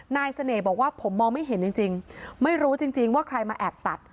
เสน่ห์บอกว่าผมมองไม่เห็นจริงไม่รู้จริงว่าใครมาแอบตัด